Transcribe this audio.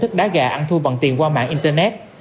thức đá gà ăn thu bằng tiền qua mạng internet